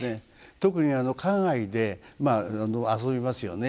特に花街で遊びますよね